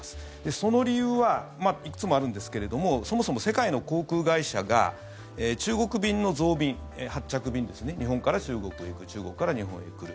その理由はいくつもあるんですけれどもそもそも世界の航空会社が中国便の増便、発着便ですね日本から中国へ行く中国から日本へ来る。